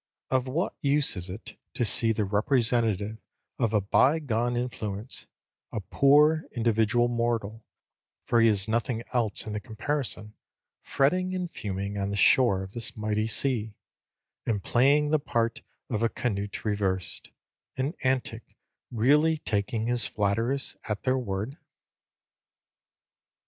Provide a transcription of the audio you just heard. Of what use is it to see the representative of a by gone influence a poor individual mortal (for he is nothing else in the comparison), fretting and fuming on the shore of this mighty sea, and playing the part of a Canute reversed, an antic really taking his flatterers at their word?